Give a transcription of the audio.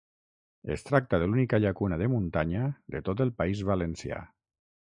Es tracta de l'única llacuna de muntanya de tot el País Valencià.